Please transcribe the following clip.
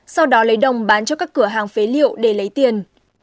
sau đó lấy đồng bán cho các cửa hàng phế liệu để lấy tiền